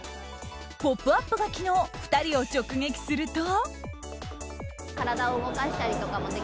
「ポップＵＰ！」が昨日２人を直撃すると。